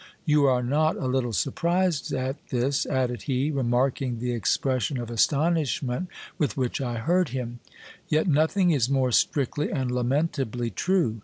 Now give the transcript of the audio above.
You are not a little surprised at this, added he, remarking the expression of astonishment with which I heard him ; yet nothing is more strictly and lamentably true.